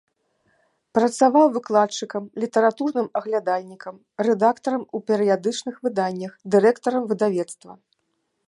Працаваў выкладчыкам, літаратурным аглядальнікам, рэдактарам у перыядычных выданнях, дырэктарам выдавецтва.